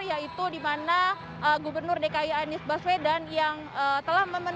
yaitu di mana gubernur dki anies baswedan yang telah memenuhi